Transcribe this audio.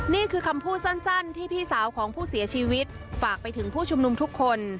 นี่คือคำพูดสั้นที่พี่สาวของผู้เสียชีวิตฝากไปถึงผู้ชุมนุมทุกคน